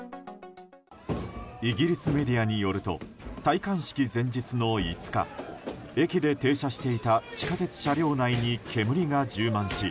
イギリスメディアによると戴冠式前日の５日駅で停車していた地下鉄車両内に煙が充満し